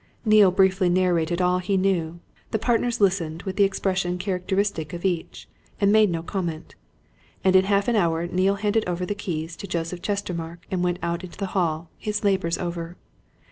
Neale briefly narrated all he knew; the partners listened with the expression characteristic of each, and made no comment. And in half an hour Neale handed over the keys to Joseph Chestermarke and went out into the hall, his labours over.